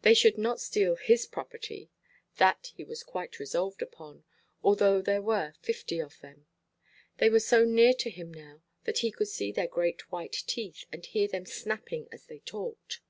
They should not steal his property, that he was quite resolved upon, although there were fifty of them. They were so near to him now that he could see their great white teeth, and hear them snapping as they talked.